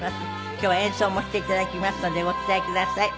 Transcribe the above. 今日は演奏もして頂きますのでご期待ください。